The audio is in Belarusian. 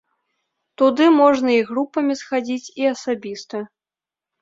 Туды можна і групамі схадзіць, і асабіста.